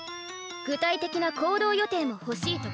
具体的な行動予定も欲しいところです。